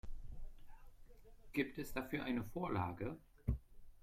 Gibt es dafür eine Vorlage?